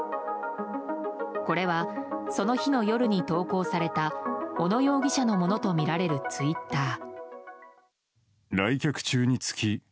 これは、その日の夜に投稿された小野容疑者のものとみられるツイッター。